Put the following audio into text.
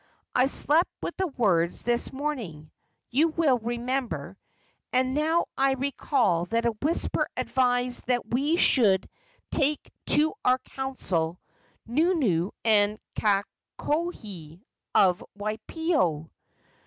I slept with the words this morning, you will remember, and now I recall that a whisper advised that we should take to our counsel Nunu and Kakohe, of Waipio."